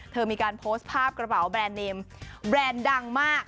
มีการโพสต์ภาพกระเป๋าแบรนดเนมแบรนด์ดังมาก